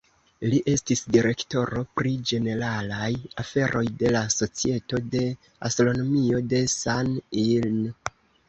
Li estis direktoro pri ĝeneralaj aferoj de la Societo de Astronomio de San-In.